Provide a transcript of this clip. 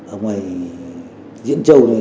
ở ngoài diễn châu này